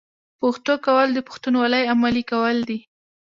پښتو کول د پښتونولۍ عملي کول دي.